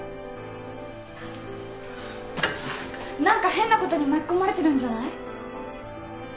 何か変なことに巻き込まれてるんじゃない？